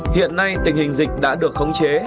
hiện nay tình hình dịch đã được khống chế